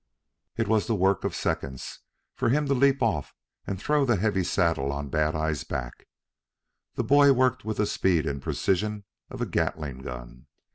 It was the work of seconds for him to leap off and throw the heavy saddle on Bad eye's back. The boy worked with the speed and precision of a Gattling gun.